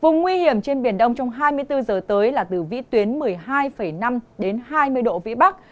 vùng nguy hiểm trên biển đông trong hai mươi bốn giờ tới là từ vị tuyến một mươi hai năm đến hai mươi độ vị bắc